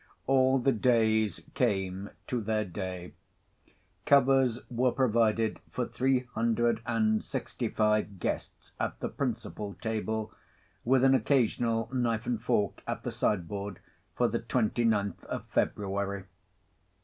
All the Days came to their day. Covers were provided for three hundred and sixty five guests at the principal table: with an occasional knife and fork at the side board for the Twenty Ninth of February.